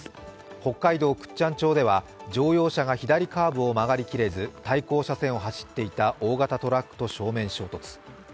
北海道倶知安町では乗用車が左カーブを曲がりきれず対向車線を走っていた大型トラックと正面衝突。